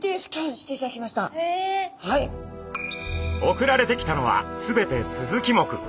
送られてきたのは全てスズキ目。